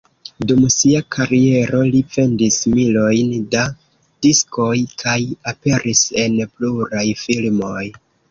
Dum sia kariero li vendis milojn da diskoj kaj aperis en pluraj filmoj.